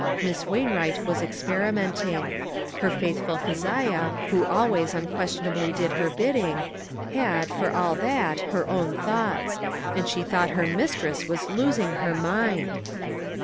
Miss Wainwright was experi menting. Her faithful Keziah, who always unquestioningly did her bidding, had, for all that, her own thoughts ; and she thought her mistress was losing her mind